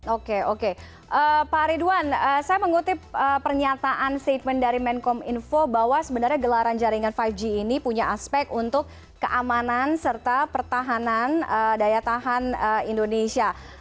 oke oke pak ridwan saya mengutip pernyataan statement dari menkom info bahwa sebenarnya gelaran jaringan lima g ini punya aspek untuk keamanan serta pertahanan daya tahan indonesia